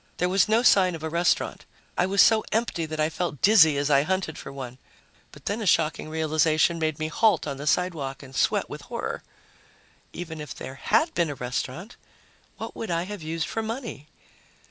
There was no sign of a restaurant. I was so empty that I felt dizzy as I hunted for one. But then a shocking realization made me halt on the sidewalk and sweat with horror. Even if there had been a restaurant, what would I have used for money?